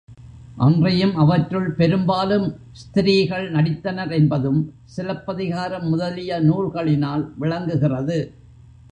அன்றியும் அவற்றுள் பெரும்பாலும் ஸ்திரீகள் நடித்தனர் என்பதும், சிலப்பதிகாரம் முதலிய நூல்களினால் விளங்குகிறது.